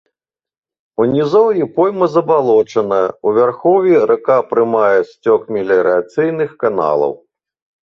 У нізоўі пойма забалочаная, у вярхоўі рака прымае сцёк меліярацыйных каналаў.